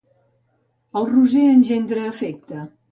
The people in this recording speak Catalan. El roser engendra afecte.